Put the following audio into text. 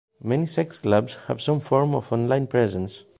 Many sex clubs have some form of online presence.